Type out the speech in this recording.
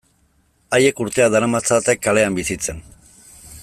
Haiek urteak daramatzate kalean bizitzen.